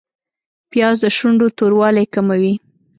پیاز د شونډو توروالی کموي